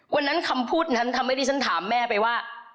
วันนั้นคำพูดนั้นทำให้ดิฉันถามแม่ไปว่า